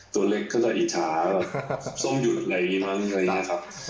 ตัวเล็กเขาจะอิจฉาส้มหยุดอะไรอย่างนี้มั้ง